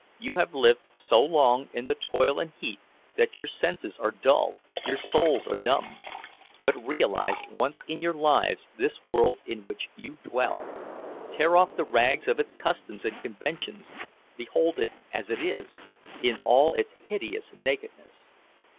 You have lived so long in the toil and heat that your senses are dulled, your souls are numbed; but realize once in your lives this world in which you dwell—tear off the rags of its customs and conventions—behold it as it is, in all its hideous nakedness!